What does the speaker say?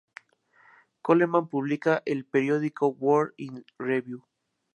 Coleman publica el periódico "World In Review".